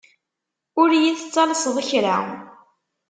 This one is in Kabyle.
Ur yi-tettalseḍ kra.